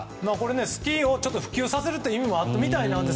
スキーを普及させるという意図もあったみたいなんです。